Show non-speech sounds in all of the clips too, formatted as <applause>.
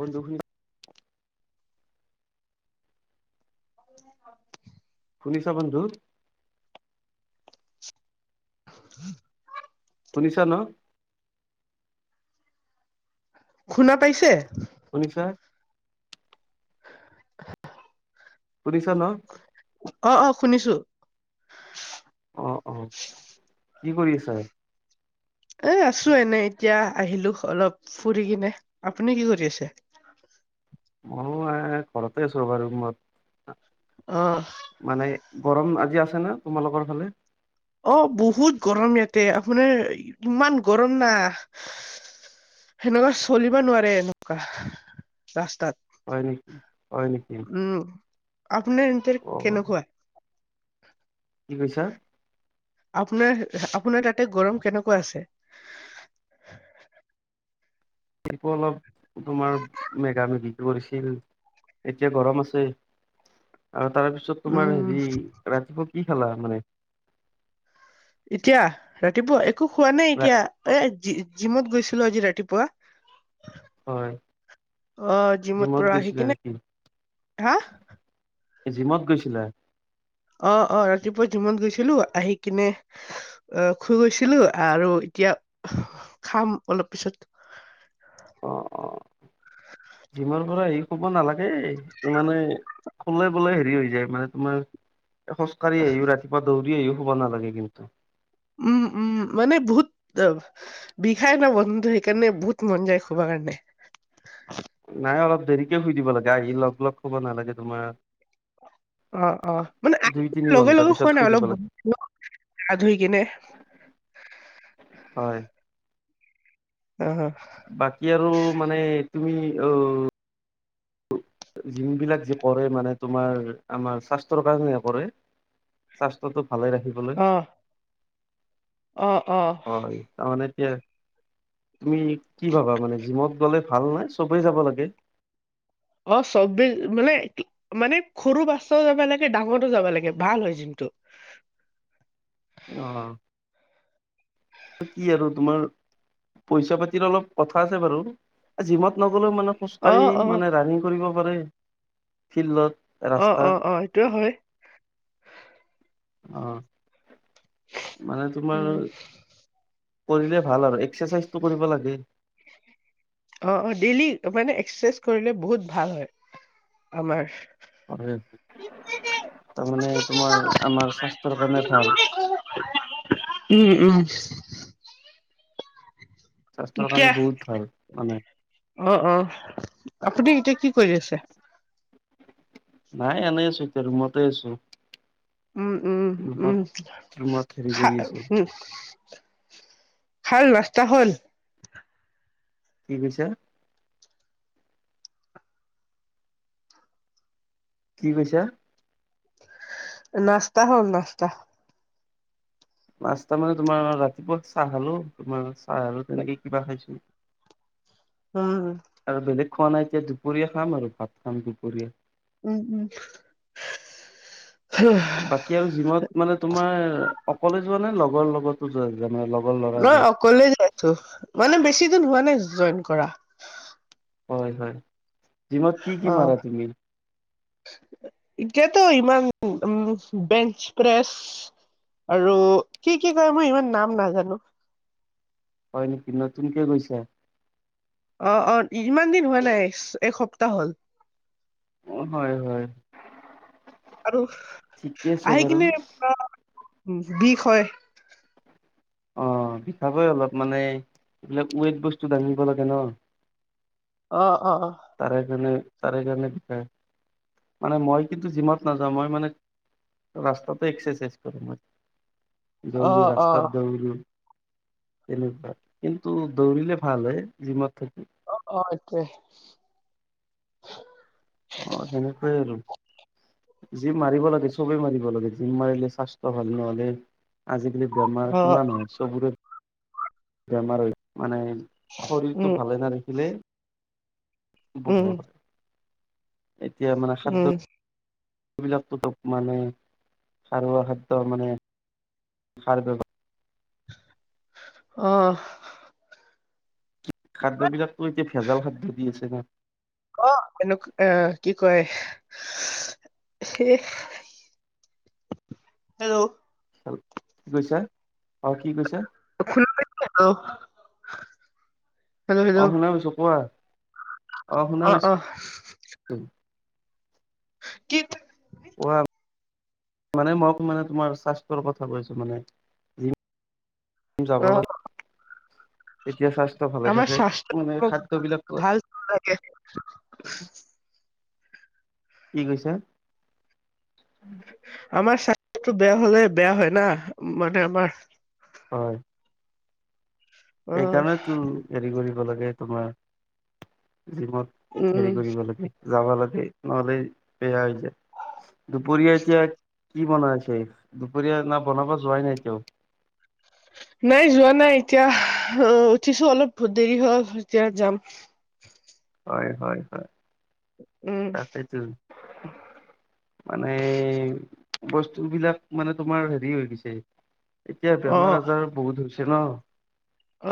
বন্ধু শুনি <unintelligible> শুনিছা, বন্ধু? <inaudible> শুনিছা, ন'? শুনা পাইছে? শুনিছা? শুনিছা ন? অ', অ', শুনিছো। অ', অ', কি কৰি আছা? এ আছো এনে এতিয়া আহিলো অলপ ফুৰি কিনে, আপুনি কি কৰি আছে? মই ঘৰতে আছো ৰবা ৰুমত। অ। মানে গৰম আজি আছে ন তোমালোকৰ ফালে? অ', বহুত গৰম ইয়াতে আপোনাৰ ইমান গৰম না সেনেকুৱা চলিব নোৱাৰে এনেকুৱা, ৰাস্তাত। হয় নেকি, হয় নেকি? উম, আপোনাৰ ইনতেৰ অ কেনেকুৱা? কি কৈছা? আপোনাৰ আপোনাৰ তাতে গৰম কেনেকুৱা আছে? সেটো অলপ তোমাৰ মেগা মেগি কৰিছিল। এতিয়া গৰম আছে আৰু তাৰপিছত তাৰপিছত তোমাৰ উম, হেৰি ৰাতিপুৱা কি খালা মানে? এতিয়া ৰাতিপুৱা একো হোৱা নাই ৰা- এতিয়া ই জিমত গৈছিলো আজি ৰাতিপুৱা। হয় অ জিমত পৰা আহি গৈছিলা কিনে, নেকি হা? জিমত গৈছিলা? অ অ ৰাতিপুৱা জিমত গৈছিলো আহি কিনে আহ খুই গৈছিলো আৰু এতিয়া খাম অলপ পিছত। অ অ, জিমৰ পৰা আহি শুব নালাগে মানে সুলেনবোলে হেৰি হৈ যায় মানে তোমাৰ খোজকাঢ়ি আহিও ৰাতিপুৱা দৌৰি আহিও শুব নালাগে কিন্তু। উম উম মানে বহুত বিষাই ন বন্ধুটো সেইকাৰণে বহুত মন যায় শুব কাৰণে। নাই অলপ দেৰিকে শুই দিব লাগে আহি লগ লগ শুব নালাগে তোমাৰ। অ অ দুই তিনি <unintelligible> ঘন্টাৰ লগেলগে পিছত শুৱা নাই, শুই দিব অলপ লাগে <unintelligible> গা ধুই কিনে। হয়। অ হ। বাকী আৰু মানে তুমি অ জিমবিলাক যে কৰে মানে তোমাৰ আমাৰ স্বাস্থ্যৰ কাৰণেহে কৰে। স্বাস্থ্যটো ভালে ৰাখিবলৈ। অ অ অ। হয় তাৰমানে এতিয়া তুমি কি ভাবা মানে জিমত গ'লে ভাল নাই, চবেই যাব লাগে। অ চব মানে মানে সৰু বাচ্ছাও যাব লাগে ডাঙৰো যাব লাগে ভাল হয় জিমটো। অ। কি আৰু তোমাৰ পইচা পাতিৰ অলপ কথা আছে বাৰু। জিমত নগ'লেও মানে অ খোজকাঢ়ি অ মানে ৰানিং কৰিব পাৰে ফিল্ডত। অ অ ৰাস্তাত। অ এইটোয়ে হয়। অ, মানে তোমাৰ উম কৰিলে ভাল আৰু এক্সাৰচাইজটো কৰিব লাগে। অ অ ডেইলি মানে এক্সাৰচাইজ কৰিলে বহুত ভাল হয় আমাৰ। হয় তাৰমানে তোমাৰ আমাৰ স্বাস্থ্যৰ কাৰণে ভাল। উম উম স্বাস্থ্যৰ কাৰণে এতিয়া বহুত ভাল মানে অ অ আপুনি এতিয়া কি কৰি আছে? নাই এনেই আছো এতিয়া ৰুমতে আছো। উম উম ৰুমত উমা ৰুমত হেৰি খা কৰি আছো উম ভাল ৰাস্তা হ'ল কি কৈছা কি কৈছা নাস্তা হ'ল নাস্তা নাস্তা মানে তোমাৰ ৰাতিপুৱা চাহ খালো তোমাৰ চাহ আৰু তেনেকে কিবা খাইছো। উম। আৰু বেলেগ খোৱা নাই এতিয়া দুপৰীয়া খাম আৰু ভাত খাম দুপৰীয়া। উম উম আহ বাকী আৰু জিমত মানে তোমাৰ অকলে যোৱা নে লগৰ লগত <unintelligible> লগৰ লগত মই অকলে যাই আছো মানে বেছি দিন হোৱা নাই জইন কৰা হয় হয় জিমত কি কি অ', মাৰা তুমি এতিয়াতো ইমান উম বেঞ্চ প্ৰেছ- আৰু কি কি কয় মই ইমান নাম নাজানো হয় নেকি নতুনকে গৈছা অ অ ইমান দিন হোৱা নাই এসপ্তাহ হল অ হয় হয় আৰু ঠিকে আছে আহি বাৰু কিনে পুৰা বিষ হয় অ বিষাবৈ অলপ মানে এইবিলাক ওৱেট বস্তু দাঙিব লাগে ন অ অ তাৰে কাৰণে তাৰে কাৰণে বিষায় মানে মই কিন্তু জিমত নাযাওঁ মই মানে ৰাস্তাটে এক্সাৰচাইজ কৰো মই দৌৰি অ', অ', ৰাস্তাত দৌৰি তেনেকুৱা কিন্তু দৌৰিলে ভাল হে জিমত থাকি অ তাকে অ সেনেকুৱাই আৰু জিম মাৰিব লাগে চবেই মাৰিব লাগে জিম মাৰিলে স্বাস্থ্য ভাল নহলে আজিকালি বেমাৰ অ', কিমান হয় চবৰে বেমাৰ হয় মানে শৰীৰটো উম, ভালে নাৰাখিলে উম, বৰবাদ এতিয়া মানে উম, খাদ্য সেইবিলাক দৰব মানে সাৰুৱা খাদ্য মানে সাৰ ব্যৱহাৰ অ খাদ্য বিলাকতো এতিয়া ভেজাল খাদ্য দি আছে না ক অ এনেক অহ কি কয় এ হেল্ল' হেল্ল কি কৈছা অ কি কৈছা শুনা নাই পোৱা জানো অ শুনা পাইছো কোৱা অ শুনা পাইছো কি? পোৰা মানে মই মানে তোমাৰ স্বাস্থ্যৰ কথা কৈছো মানে। যাব অ লাগে। এতিয়া স্বাস্থ্য ভালে আমাৰ স্বাস্থ্য মানে খাদ্য বিলাক <inaudible> কি কৈছে? আমাৰ স্বাস্থ্যটো বেয়া হলে বেয়া হয় ন মানে আমাৰ হয়। অ এই কাৰণেটো হেৰি কৰিব লাগে তোমাৰ জিমত উম হেৰি কৰিব লাগে যাব লাগে নহলে বেয়া হৈ যায়। দুপৰীয়া এতিয়া কি বনাই আছে দুপৰীয়া না বনাব যোৱাই নাই এতিয়াওঁ? নাই যোৱা নাই এতিয়া অ উঠিছো অলপ বহুত দেৰি হল এতিয়া যাম। হয়, হয়, হয়। উম তাকেইতো মানে। বস্তু বিলাক মানে তোমাৰ হেৰি হৈ গৈছে এতিয়া অ বেমাৰ আজাৰ বহুত হৈছে ন।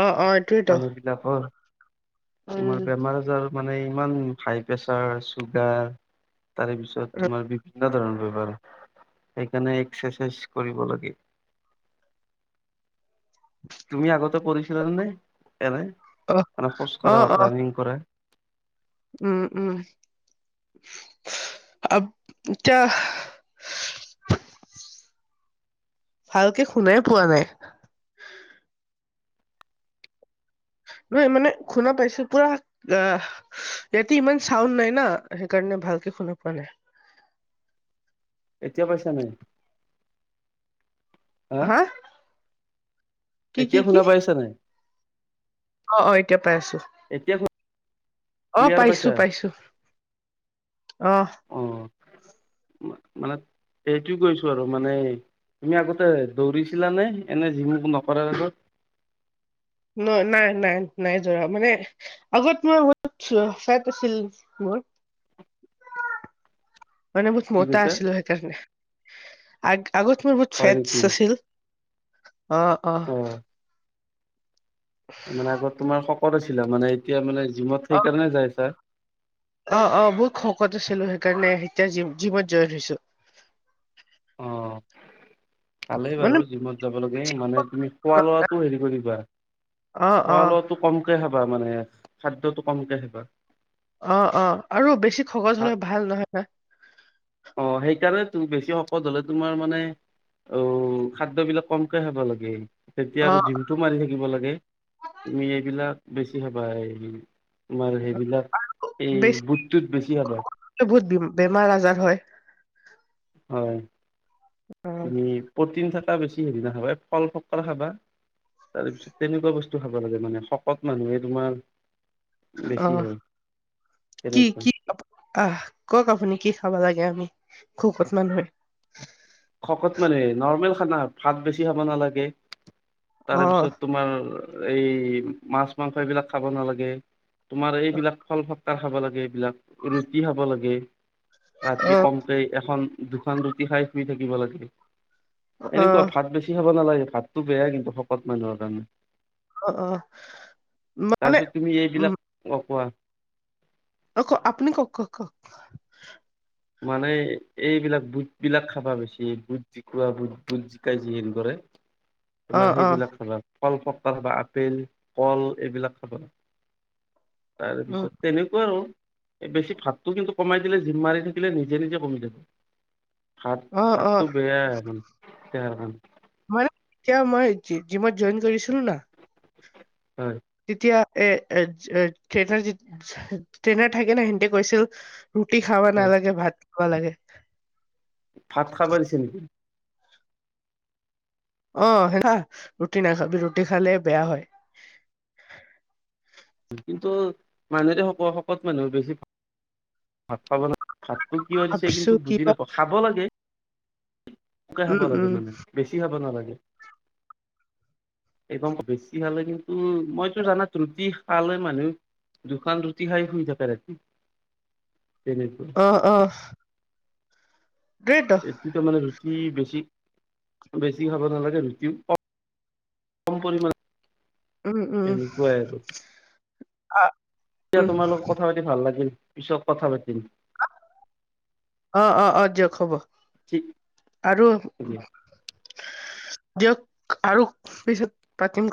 অ এইটোৱেইত। এইবিলাকৰ তোমাৰ বেমাৰ আজাৰ মানে ইমান হাই প্ৰেচাৰ চুগাৰ তাৰে পিছত তোমাৰ বিভিন্ন ধৰণৰ বেমাৰ। সেইকাৰণে এক্সাৰচাইজ কৰিব লাগে। <inaudible> তুমি আগতে কৰিছিলানে এনে অ মানে অ খোজকঢ়া অ ৰাণিং কৰা? উম উম। <inaudible> ভালকে শুনাই পোৱা নাই। নহয় মানে শুনা পাইছো পুৰা আহ ইয়াতে ইমান চাউণ্ড নাই না সেইকাৰণে ভালকে শুনা পোৱা নাই। এতিয়া পইচা নাই? হা কি কি এতিয়া কি? শুনা পাইছা নাই অ' অ' এতিয়া পাই আছোঁ। এতিয়া অ' ক্লিয়াৰ পাইছো পাইছা পাইছো আহ। অ' মানে এইটো কৈছো আৰু মানে তুমি আগতে দৌৰিছিলা নে এনে জিম নকৰাৰ আগত? ন নাই নাই নাই দৈৰা মানে আগত মোৰ ফেট আছিল মোৰ। <inaudible> মানে বহুত মতা কৈছা আছিলো সেইকাৰণে আগ আগত মোৰ বহুত হয় নেকি ফেটচ আছিল। অ অ। মানে আগত তোমাৰ শকত আছিলা মানে এতিয়া মানে জিমত অ সেইকাৰণে যাই ছাৰ। অ' অ' মই শকত আছিলো সেইকাৰণে এতিয়া জিম জিমত জইন হৈছো। অ'। ভালেই মানে বাৰু জিমত যাব লাগে মানে তুমি খোৱা লোৱা তটো হেৰি কৰিবা অ অ খোৱা লোৱাত টো কমকে খাবা মানে খাদ্যত টো কমকে খাবা। অ'অ' আৰু বেছি সহজ হলে ভাল নহয় না। অ'সেইকাৰণে তো বেছি শকত হলে তোমাৰ মানে অ' খাদ্য বিলাক কমকে খাব লাগে। তেতিয়া অ আৰু জিমটো মাৰি থাকিব লাগে। তুমি এইবিলাক বেছি খাবা <unintelligible> তোমাৰ সেইবিলাক এই বেছি বুট টোত বেছি হাবা <unintelligible> বহুত বিম বেমাৰ আজাৰ হয়। হয়। অ তুমি প্ৰটিন থকা বেছি হেৰি নাখাবা এই ফল ফ ফল খাবা তাৰপিছত তেনেকুৱা বস্তু খাব লাগে মানে শকত মানুহে তোমাৰ বেছি অ', হয় কি তেনেকুৱা কি <unintelligible> আহ কওঁক আপুনি কি খাব লাগে আমি খুকত মানুহে খকত মানে নৰ্মেল খানা ভাত বেছি খাব নালাগে, অ তাৰে পিছত তোমাৰ এই মাছ মাংস এইবিলাক খাব নালাগে। তোমাৰ এইবিলাক ফল ফতকাৰ খাব লাগে এইবিলাক ৰুটি খাব লাগে। অ ৰাতি কমকে এখন দুখন ৰুটি খাই শুই থাকিব লাগে। অ এনেকুৱা ভাত বেছি খাব নালাগে ভাতটো বেয়া কিন্তু শকত মানুহৰ কাৰণে। অ', অ', মা নে তাৰপিছত তুমি এইবিলাক অ', কোৱা অ', ক আপুনি কওঁক কক কক মানে এই এইবিলাক বুট বিলাক খাবা বেছি বুট জিকোৱা বুট বুট জিকাই যি হেৰি কৰে অ তোমাৰ অ সেইবিলাক খাবা। ফল ফটকা খাবা আপেল, কল এইবিলাক খাবা। উম তাৰপিছত তেনেকুৱা অ', এ, বেছি ভাতটো কিন্তু কমাই দিলে জিম মাৰি থাক কিলে নিজে নিজে কমি যাব ভাত অ অ ভাতটো বেয়াই মানে দেহাৰ কাৰণে। মই তিয়া মই জি জিমত জইন কৰিছিলোঁ না হয়। তিতিয়া এ, এটচ এ, <unintelligible> ট্ৰেইনাৰ থাকে না সেন্তে কৈছিল ৰুটি খাবা হয় নালাগে ভাত খাব লাগে। ভাত খাব দিছে নি? অ', সেইয়া ৰুটি নাখাবি ৰুটি খালে বেয়া হয়। কিন্তু মানু যদি শক শকত মানুহ বেছি ভাত খাব ন ভাতটো কিয় দিছে ভাবিছো কিন্তু বুজি কিবা নাপাওঁ খাব লাগে <unintelligible> খাব উম লাগে উম মানে। বেছি খাব নালাগে এগম্ব বেছি খালে কিন্তু উম, মইতো জানাত ৰুটি আলে মানুহ দুখন ৰুটি খাই শুই থাকে ৰাতি তেনেকৈ অ', অ'। <unintelligible> <unintelligible> মানে ৰুটি বেছি বেছি খাব নালাগে ৰুটিও ক কম পৰিমাণ উম উম, আ তিয়া তোমাৰ <unintelligible> কথা পাতি ভাল লাগিল পিছক কথা পাতিম। অ', অ', অ', দিয়ক হ'ব ঠিক আৰু আছে দিয়ক আৰু পিছত পাতিম ক